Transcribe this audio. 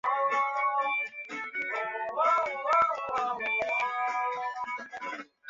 积极发展各类职业教育和培训。